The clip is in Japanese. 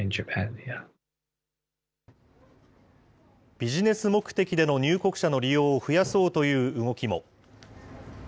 ビジネス目的での入国者の利用を増やそうという動きも。